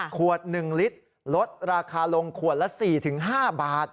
ขวด๑ลิตรลดราคาลงขวดละ๔๕บาท